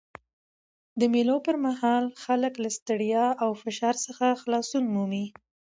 د مېلو پر مهال خلک له ستړیا او فشار څخه خلاصون مومي.